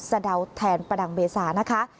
สะเดาแทนประดังเบซานะคะ